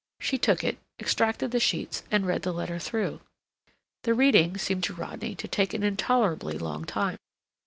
She took it, extracted the sheets, and read the letter through. The reading seemed to Rodney to take an intolerably long time.